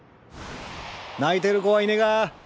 泣いてる子はいねが。